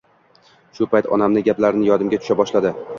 Shu payt onamni gaplari yodimga tusha boshladi